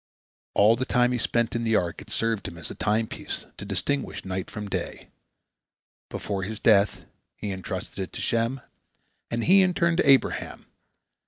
All the time he spent in the ark it served him as a time piece, to distinguish night from day. Before his death, he entrusted it to Shem, and he in turn to Abraham.